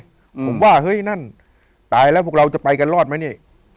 ผมว่าเฮ้ยนั่นตายแล้วพวกเราจะไปกันรอดไหมนี่